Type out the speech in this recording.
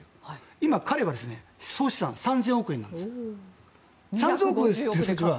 今、彼は総資産３０００億円なんです。